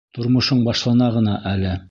Тормошоң башлана ғына әле.